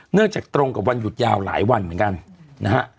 จากตรงกับวันหยุดยาวหลายวันเหมือนกันนะฮะ